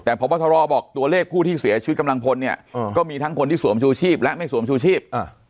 แต่พบทรบอกตัวเลขผู้ที่เสียชีวิตกำลังพลเนี่ยก็มีทั้งคนที่สวมชูชีพและไม่สวมชูชีพ